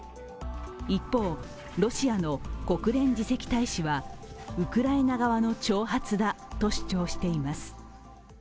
一方、ロシアの国連次席大使はウクライナ側の挑発だと主張しています。